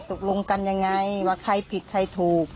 ตกลงกันยังไงว่าใครผิดใครถูก